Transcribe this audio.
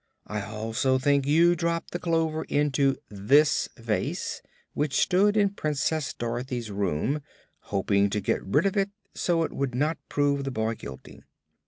I also think you dropped the clover into this vase, which stood in Princess Dorothy's room, hoping to get rid of it so it would not prove the boy guilty.